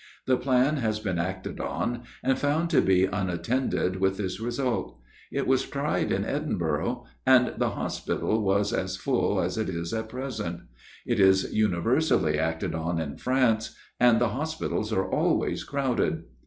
The plan has been acted on, and found to be unattended with this result: it was tried in Edinburgh, and the hospital was as full as it is at present: it is universally acted on in France, and the hospitals are always crowded.